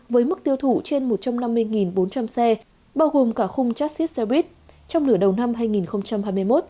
với mức tiêu thụ trên một trăm năm mươi bốn trăm linh xe bao gồm cả khung chassis xe buýt trong nửa đầu năm hai nghìn hai mươi một